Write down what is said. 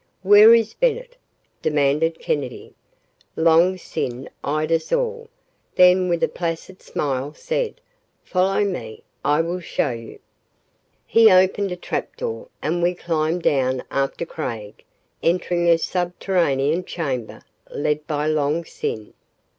"Where is Bennett?" demanded Kennedy. Long Sin eyed us all, then with a placid smile, said, "Follow me. I will show you." He opened a trap door, and we climbed down after Craig, entering a subterranean chamber, led by Long Sin.